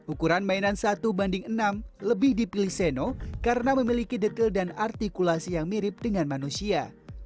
ukuran mainan satu banding enam lebih dipilih seno karena memiliki detail dan artikulasi yang mirip dengan manusia